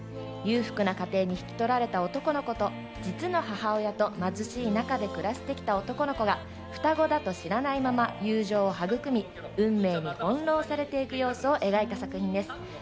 裕福な家庭に引き取られた男の子と実の母親と貧しい中で暮らしてきた男の子が双子だと知らないまま友情を育み、運命に翻弄されていく様子を描いた作品です。